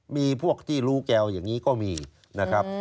มีพวกที่รู้แก้วอย่างนี้ก็มีนะครับ